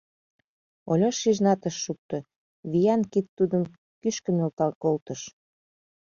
Ольош шижынат ыш шукто, виян кид тудым кӱшкӧ нӧлтал колтыш.